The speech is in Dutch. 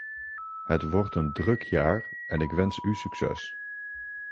Het wordt een druk jaar en ik wens u succes.